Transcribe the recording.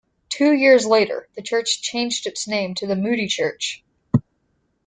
Two years later, the church changed its name to the Moody Church.